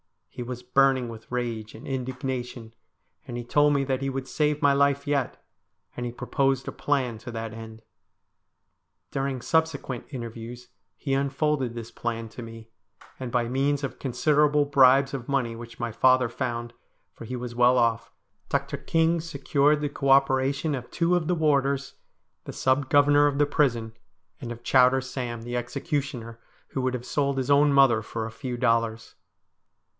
He was burning with rage and indignation, and he told me that he would save my life yet, and he proposed a plan to that end. During subsequent interviews he unfolded this plan to me, and by means of considerable bribes of money which my father found, for he was well off, Dr. King secured the co operation of two of the warders, the sub governor of the u2 lt)i STORIES WEIRD AND WONDERFUL prison, and of Chowder Sam, the executioner, who would have sold his own mother for a few dollars.